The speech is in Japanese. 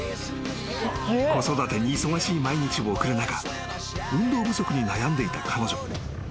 ［子育てに忙しい毎日を送る中運動不足に悩んでいた彼女］